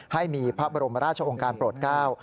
ให้มีพระบรมราชองค์การโปรดเก้า